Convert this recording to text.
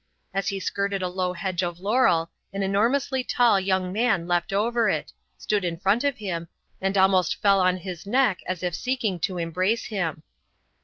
As he skirted a low hedge of laurel, an enormously tall young man leapt over it, stood in front of him, and almost fell on his neck as if seeking to embrace him.